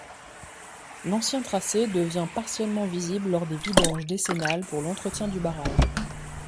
L'ancien tracé devient partiellement visible lors des vidanges décennales pour l'entretien du barrage.